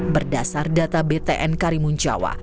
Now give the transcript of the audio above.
berdasar data btn karimun jawa